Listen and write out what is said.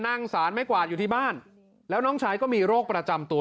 สารไม่กวาดอยู่ที่บ้านแล้วน้องชายก็มีโรคประจำตัว